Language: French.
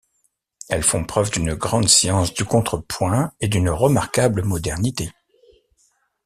Elles font preuve d’une grande science du contrepoint et d’une remarquable modernité.